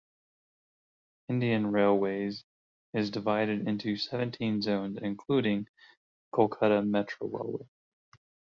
Indian Railways is divided into seventeen zones including the Kolkata Metro Railway.